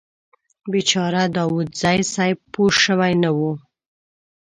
بیچاره داوودزی صیب پوه شوي نه و.